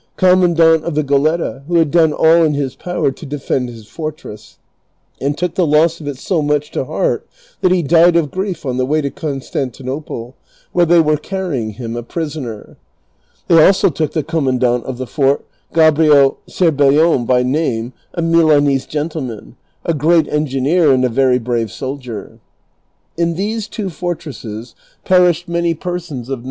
commandant of the Goletta, who had done all in his power to defend his fortress, and took the loss of it so much to heart that he died of grief on the way to Constantinople, where they were carrying him a prisoner. They also took the commandant of the foi't, Gabrio Cer bellon ' by name, a Milanese gentleman, a great engineer and a very brave soldier. Tn these two fortresses perished many persons of ' Or Serbelloni. CHAPTER XXXIX.